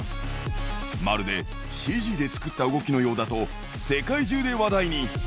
まるでＣＧで作った動きのようだと、世界中で話題に。